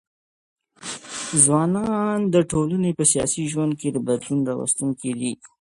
ځوانان د ټولني په سیاسي ژوند ګي د بدلون راوستونکي دي.